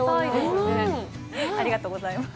ありがとうございます。